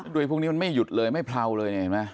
ดูพวกนี้มันไม่หยุดเลยไม่เผลอเลย